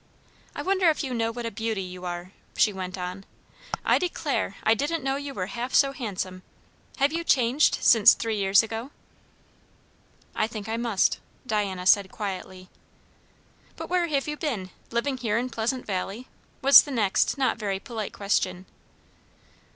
"I wonder if you know what a beauty you are?" she went on; "I declare! I didn't know you were half so handsome. Have you changed, since three years ago?" "I think I must," Diana said quietly. "But where have you been? Living here in Pleasant Valley?" was the next not very polite question.